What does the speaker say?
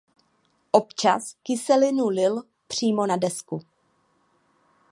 Občas kyselinu lil přímo na desku.